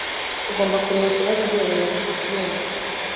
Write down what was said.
Tugomba kureba ikibazo duhereye ku isi yose.